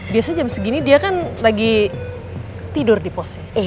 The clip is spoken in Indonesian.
biasanya jam segini dia kan lagi tidur di posnya